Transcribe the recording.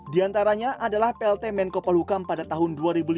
di antaranya adalah plt menko polhukam pada tahun dua ribu lima belas